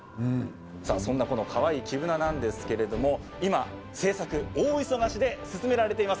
さあ、そんなこのかわいい黄ぶななんですけれども今、製作大忙しで進められています。